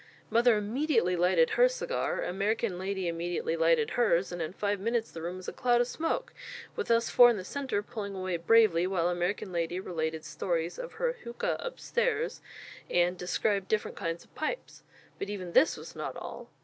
Mother immediately lighted her cigar; American lady immediately lighted hers; and in five minutes the room was a cloud of smoke, with us four in the centre pulling away bravely, while American lady related stories of her 'Hookah' upstairs, and described different kinds of pipes. But even this was not all.